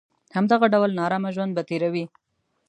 همدغه ډول نارامه ژوند به تېروي.